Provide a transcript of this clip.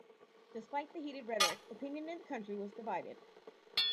Despite the heated rhetoric, opinion in the country was divided.